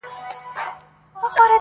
لټوم بایللی هوښ مي ستا د کلي په کوڅو کي,